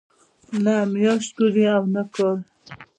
نه میاشت ګوري او نه کال.